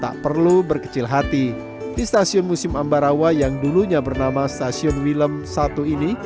tak perlu berkecil hati di stasiun musim ambarawa yang dulunya bernama stasiun wilem satu ini